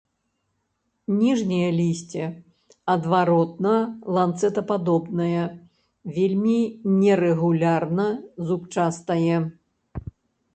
Ніжняе лісце адваротна-ланцэтападобнае, вельмі нерэгулярна зубчастае.